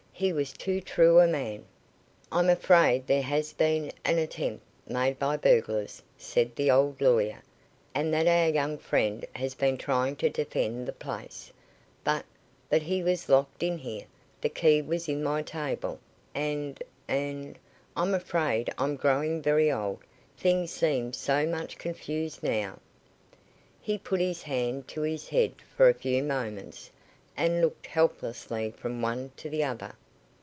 "He was too true a man." "I'm afraid there has been an attempt made by burglars," said the old lawyer, "and that our young friend has been trying to defend the place; but but he was locked in here the key was in my table and and I'm afraid I'm growing very old things seem so much confused now." He put his hand to his head for a few moments and looked helplessly from one to the other.